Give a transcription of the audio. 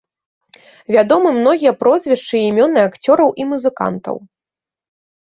Вядомы многія прозвішчы і імёны акцёраў і музыкантаў.